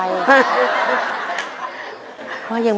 ปีหน้าหนูต้อง๖ขวบให้ได้นะลูก